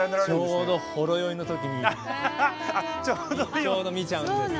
ちょうどほろ酔いのときにちょうど見ちゃうんですよ。